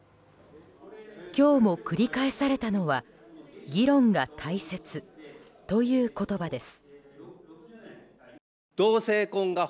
今日も繰り返されたのは議論が大切という言葉です。